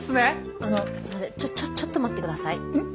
あのすいませんちょちょっと待って下さい。